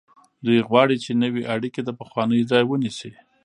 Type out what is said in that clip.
دوی غواړي چې نوې اړیکې د پخوانیو ځای ونیسي.